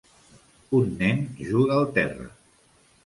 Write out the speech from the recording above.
Un nen juga al terra.